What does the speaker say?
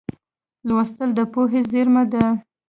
لوستل د پوهې زېرمه ده.